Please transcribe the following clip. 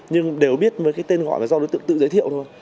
nhưng đều biết với cái tên gọi là do đối tượng tự giới thiệu thôi